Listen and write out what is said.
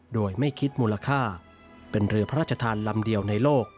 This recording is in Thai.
โดยไม่คิดมูลค่าเป็นเรือพระราชทานลำเดียวในโลก